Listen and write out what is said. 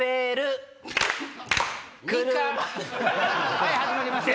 はい始まりました。